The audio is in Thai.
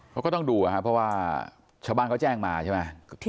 เขาก็ต้องดูครับเพราะว่าชาวบ้านเขาแจ้งมาใช่ไหม